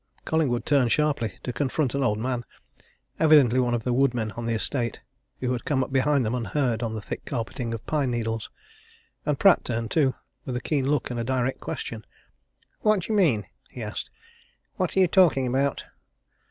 Collingwood turned sharply to confront an old man, evidently one of the woodmen on the estate who had come up behind them unheard on the thick carpeting of pine needles. And Pratt turned, too with a keen look and a direct question. "What do you mean?" he asked. "What are you talking about?"